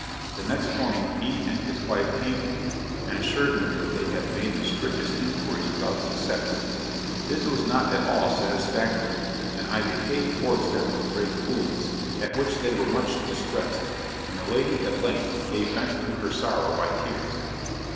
The next morning he and his wife came to me, and assured me that they had made the strictest inquiries without success. This was not at all satisfactory, and I behaved towards them with great coolness, at which they were much distressed; and the lady at length gave vent to her sorrow by tears.